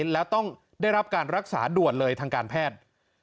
ไม่สามารถเคลื่อนไหวและต้องได้รับการรักษาด่วนเลยทางการแพทย์